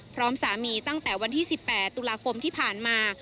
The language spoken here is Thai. สามีตั้งแต่วันที่๑๘ตุลาคมที่ผ่านมา